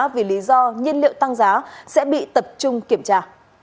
vì lý do nhiên liệu tăng giá sẽ bị tập trung kiểm tra